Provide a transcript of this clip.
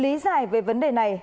lý giải về vấn đề này